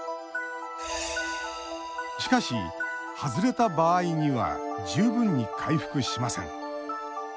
しかし、外れた場合には十分に回復しません。